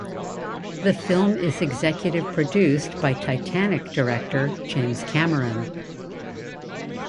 The film is executive produced by "Titanic" director James Cameron.